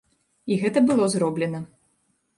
І гэта было зроблена.